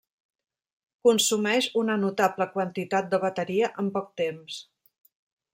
Consumeix una notable quantitat de bateria en poc temps.